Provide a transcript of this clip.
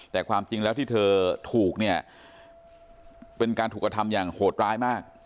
แต่ความจริงแล้วที่เธอถูกเนี่ยเป็นการถูกกระทำอย่างโหดร้ายมาก